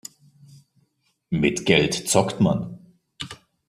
Mit Geld zockt man.